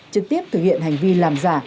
trực tiếp thực hiện hành vi làm giả